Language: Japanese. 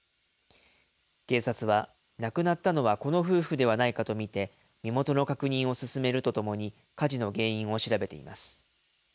警察は、亡くなったのはこの夫婦ではないかと見て、身元の確認を進めるとともに、火事の原因を調べています。